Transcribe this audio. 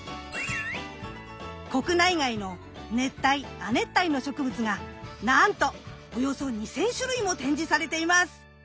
国内外の熱帯亜熱帯の植物がなんとおよそ２，０００種類も展示されています。